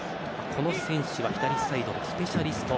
この選手は左サイドのスペシャリスト。